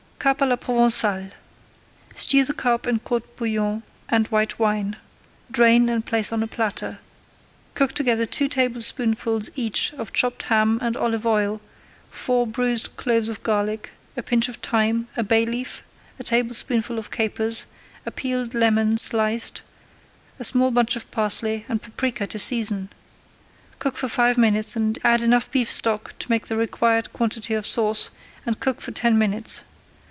CARP À LA PROVENÇALE Stew the carp in court bouillon and white wine. Drain and place on a platter. Cook together two tablespoonfuls each of chopped ham and olive oil, four bruised cloves of garlic, a pinch of thyme, a bay leaf, a tablespoonful of capers, a peeled lemon sliced, a small bunch of parsley, and paprika to season. Cook for five minutes, add enough beef stock to make the required quantity of sauce, and cook for ten minutes.